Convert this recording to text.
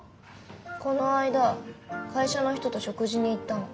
この間会社の人と食事に行ったの。